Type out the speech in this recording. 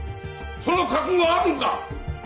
その覚悟あるんか！